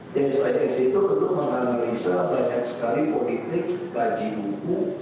csis itu untuk menganalisa banyak sekali politik kaji buku